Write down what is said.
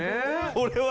これは？